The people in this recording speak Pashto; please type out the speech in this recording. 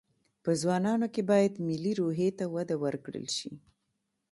په ځوانانو کې باید ملي روحي ته وده ورکړل شي